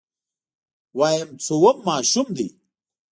ويم څووم ماشوم دی.